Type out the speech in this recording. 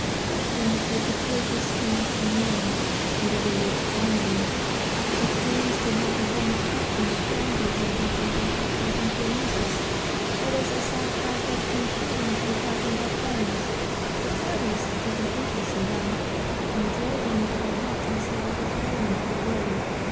Teach them to give you courteous speech and manners, and they will live to honor you. Take pains to have the home attractions stronger than can come from outside influences. It is a sad fact that few children confide in their parents. The parents must take an interest in them, and draw them to their hearts instead of repelling them away.